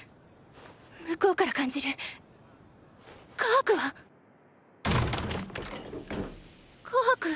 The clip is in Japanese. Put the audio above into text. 向こうから感じるカハクは⁉カハク？